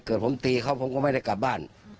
เกิดผมตีเขาผมก็ไม่ได้กลับบ้าน